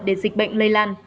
để dịch bệnh lây lan